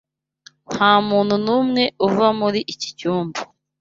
Ntamuntu numwe uva muri iki cyumba.